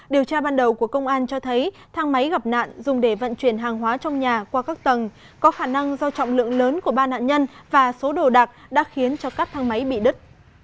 điều tra ban đầu của công an cho thấy thang máy gặp nạn dùng để vận chuyển hàng hóa trong nhà qua các tầng có khả năng do trọng lượng lớn của ba nạn nhân và số đồ đạc đã khiến cho các thang máy bị đứt